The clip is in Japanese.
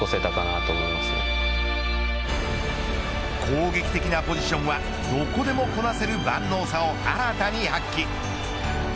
攻撃的なポジションはどこでもこなせる万能さを新たに発揮。